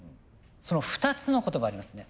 その２つの言葉ありますね。